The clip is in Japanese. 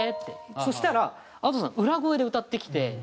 そしたらＡｄｏさん裏声で歌ってきて。